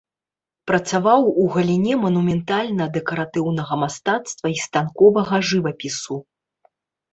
Працаваў у галіне манументальна-дэкаратыўнага мастацтва і станковага жывапісу.